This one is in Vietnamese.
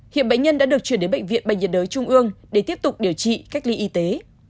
hiện bệnh nhân đã được chuyển đến bệnh viện bệnh nhiệt đới trung ương để tiếp tục điều trị cách ly y tế